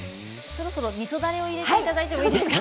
そろそろ、みそだれを入れていただいていいですか？